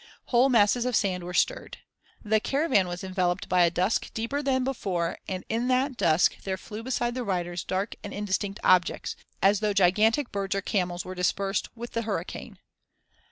Whole masses of sand were stirred. The caravan was enveloped by a dusk deeper than before and in that dusk there flew beside the riders dark and indistinct objects, as though gigantic birds or camels were dispersed with the hurricane.